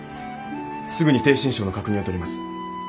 すぐに逓信省の確認を取ります。